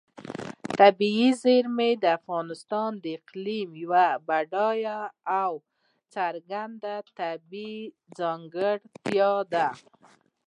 طبیعي زیرمې د افغانستان د اقلیم یوه بډایه او څرګنده طبیعي ځانګړتیا ده.